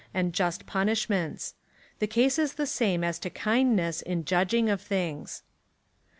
425 punisliments. The case is the same as to kindness in judg ing of things.